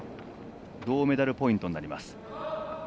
銅メダルポイントになります。